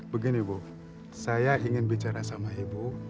begini bu saya ingin bicara sama ibu